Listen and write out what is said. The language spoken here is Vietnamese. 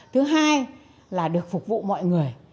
thứ hai là được phục vụ mọi người